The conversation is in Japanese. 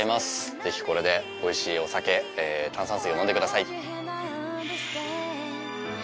ぜひこれでおいしいお酒炭酸水を飲んでください。